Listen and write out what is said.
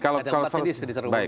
ada empat jenis di terumum tadi